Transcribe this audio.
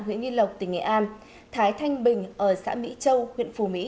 huyện nghi lộc tỉnh nghệ an thái thanh bình ở xã mỹ châu huyện phù mỹ